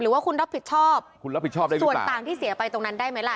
หรือว่าคุณรับผิดชอบส่วนต่างที่เสียไปตรงนั้นได้ไหมล่ะ